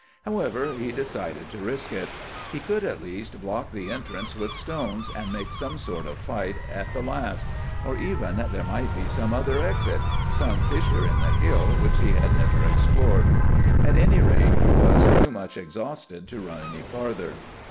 "However, he decided to risk it. He could, at least, block the entrance with stones, and make some sort of fight at the last; or even there might be some other exit,—some fissure in the hill which he had never explored. At any rate, he was too much exhausted to run any farther.